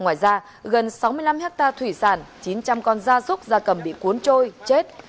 ngoài ra gần sáu mươi năm hectare thủy sản chín trăm linh con da súc da cầm bị cuốn trôi chết